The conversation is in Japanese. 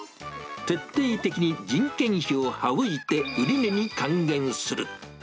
徹底的に人件費を省いて、売値に還元する。